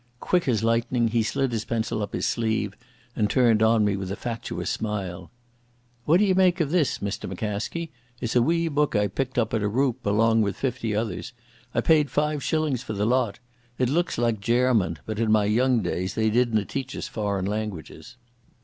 Quick as lightning he slid his pencil up his sleeve and turned on me with a fatuous smile. "What d'ye make o' this, Mr McCaskie? It's a wee book I picked up at a roup along with fifty others. I paid five shillings for the lot. It looks like Gairman, but in my young days they didna teach us foreign languages."